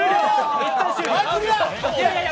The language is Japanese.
いやいや！